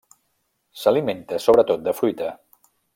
S'alimenta sobretot de fruita.